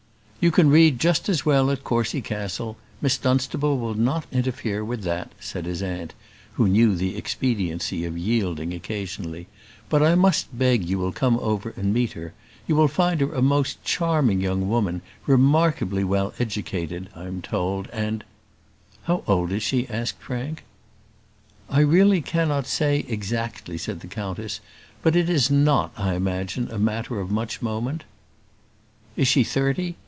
"You can read just as well at Courcy Castle. Miss Dunstable will not interfere with that," said his aunt, who knew the expediency of yielding occasionally; "but I must beg you will come over and meet her. You will find her a most charming young woman, remarkably well educated I am told, and " "How old is she?" asked Frank. "I really cannot say exactly," said the countess; "but it is not, I imagine, matter of much moment." "Is she thirty?"